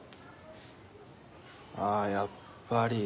あやっぱり。